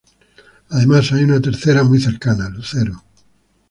Además, hay una tercera muy cercana, Lucero.